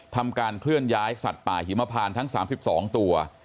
ทำการเคลื่อนย้ายสัตว์ป่าหิมพานทั้ง๓๒ตัว